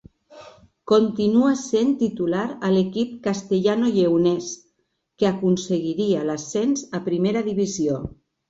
Continua sent titular a l'equip castellanolleonès, que aconseguiria l'ascens a primera divisió.